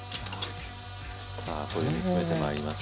さあこれで煮詰めてまいります。